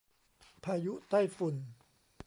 พายุใต้ฝุ่น